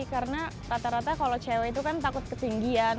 karena rata rata kalau cewek itu kan takut ketinggian